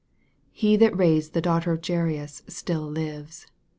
He that raised the daughter of Jairus still lives.